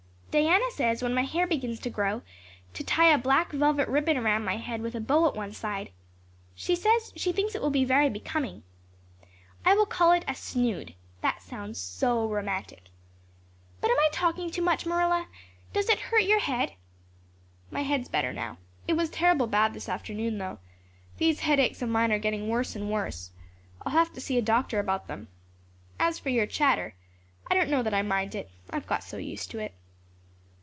Diana says when my hair begins to grow to tie a black velvet ribbon around my head with a bow at one side. She says she thinks it will be very becoming. I will call it a snood that sounds so romantic. But am I talking too much, Marilla? Does it hurt your head?" "My head is better now. It was terrible bad this afternoon, though. These headaches of mine are getting worse and worse. I'll have to see a doctor about them. As for your chatter, I don't know that I mind it I've got so used to it."